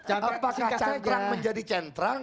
apakah cantrang menjadi centrang